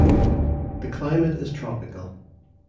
The climate is tropical.